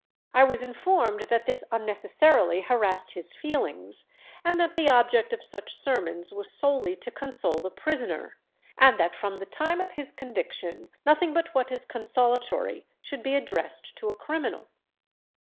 I was informed that this unnecessarily harassed his feelings, and that the object of such sermons was solely to console the prisoner, and that from the time of his conviction nothing but what is consolatory should be addressed to a criminal.